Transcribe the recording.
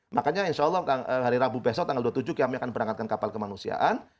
makanya insya allah hari rabu besok tanggal dua puluh tujuh kami akan berangkatkan kapal kemanusiaan